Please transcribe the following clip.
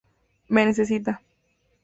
Me necesita.